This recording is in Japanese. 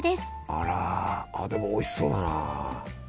あらあでもおいしそうだな。